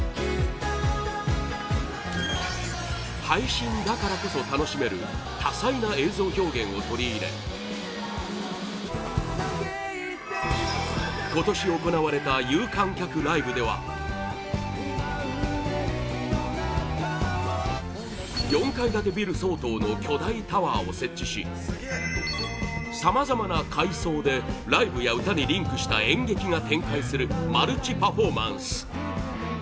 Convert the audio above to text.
配信だからこそ楽しめる多彩な映像表現を取り入れ今年行われた有観客ライブでは４階建てビル相当の巨大タワーを設置しさまざまな階層でライブや歌にリンクした演劇が展開するマルチパフォーマンス！